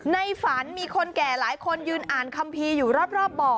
ในฝันมีคนแก่หลายคนยืนอ่านคัมภีร์อยู่รอบบ่อ